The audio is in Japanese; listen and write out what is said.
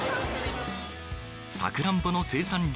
さくらんぼの生産量